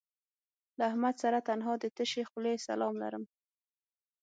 له احمد سره تنها د تشې خولې سلام لرم